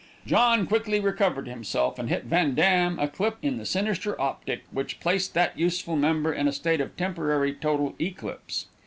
John quickly recovered himself, and hit Van Dam a clip in the sinister optic, which placed that useful member in a state of temporary total eclipse.